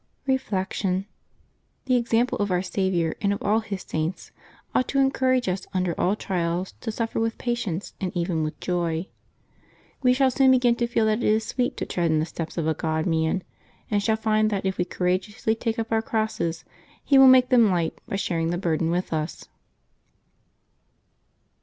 Reflection. — The example of Our Saviour and of all His saints ought to encourage us under all trials to suffer with patience and even with joy. We shall soon begin to feel that it is sweet to tread in the steps of a God man, and shall find that if we courageously take up our crosses, He will make them light by sharing the burden with us.